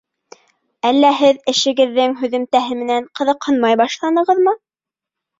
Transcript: Әллә һеҙ эшегеҙҙең һөҙөмтәһе менән ҡыҙыҡһынмай башланығыҙмы?